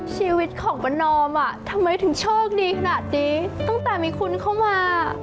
ชีวิตของประนอมอ่ะทำไมถึงโชคดีขนาดนี้ตั้งแต่มีคุณเข้ามา